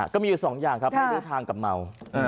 ก็มีอยู่สองอย่างครับไม่รู้ทางกับเมา